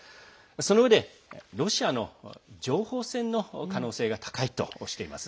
そのうえでロシアの情報戦の可能性が高いとしています。